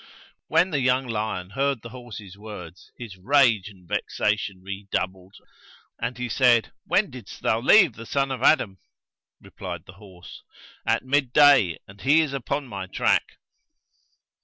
When the young lion heard the horse's words, his rage and vexation redoubled and he said, 'When didst thou leave the son of Adam? Replied the horse, 'At midday and he is upon my track.'